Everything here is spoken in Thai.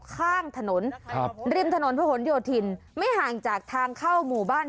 ข้างถนนครับริมถนนพระหลโยธินไม่ห่างจากทางเข้าหมู่บ้าน